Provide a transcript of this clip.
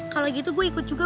kalau gitu gue ikut juga